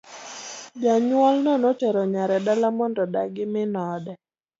Janyuolno notero nyare dala mondo odag gi min ode.